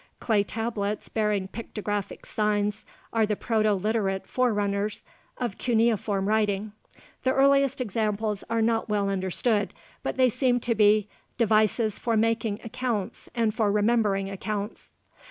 Clay tablets bearing pictographic signs are the Proto Literate forerunners of cuneiform writing. The earliest examples are not well understood but they seem to be "devices for making accounts and for remembering accounts."